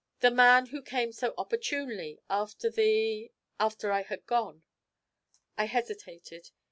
'The man who came so opportunely after the after I had gone.' I hesitated.